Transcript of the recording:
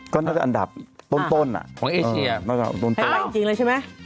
ก็น่าจะอันดับต้นน่ะต้องต้นนะครับให้ได้จริงเลยใช่ไหม